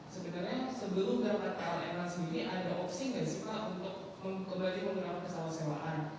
sebenarnya sebelum terkena enak sendiri ada opsi enggak sih pak untuk kembali menggunakan pesawat sewaan